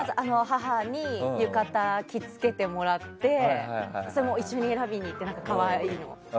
母に浴衣着付けてもらってそれも一緒に選びに行って可愛いのを。